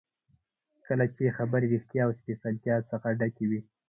کله چې خبرې ریښتیا او سپېڅلتیا څخه ډکې وي.